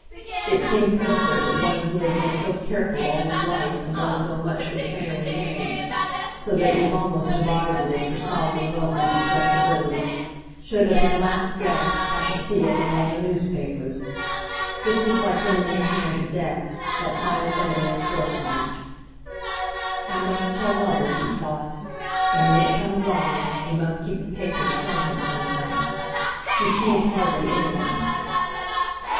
It seemed pitiful that one who had been so careful all his life and done so much for the family name—so that it was almost a byword for solid, wealthy respectability—should at his last gasp have to see it in all the newspapers. This was like lending a hand to Death, that final enemy of Forsytes. "I must tell mother," he thought, "and when it comes on, we must keep the papers from him somehow. He sees hardly anyone."